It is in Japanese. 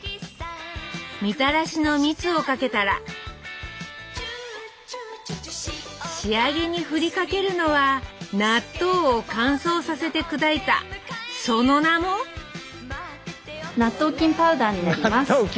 みたらしの蜜をかけたら仕上げに振りかけるのは納豆を乾燥させて砕いたその名も納豆菌パウダー。